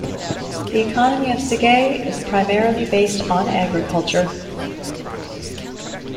The economy of Sagae is primarily based on agriculture.